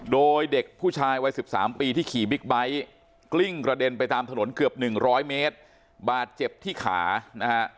โดยเด็กผู้ชายวัย๑๓ปีที่ขี่บิ๊กไบท์กลิ้งกระเด็นไปตามถนนเกือบหนึ่งร้อยเมตรบาดเจ็บที่ขานะฮะ